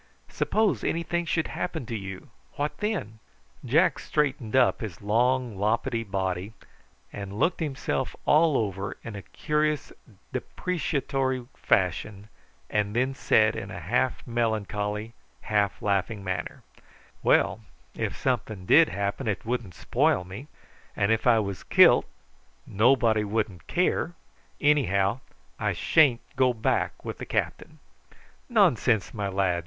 Suppose anything should happen to you, what then?" Jack straightened up his long loppetty body, and looked himself all over in a curious depreciatory fashion, and then said in a half melancholy, half laughing manner: "Well, if something did happen, it wouldn't spoil me; and if I was killed nobody wouldn't care. Anyhow I sha'n't go back with the captain." "Nonsense, my lad!"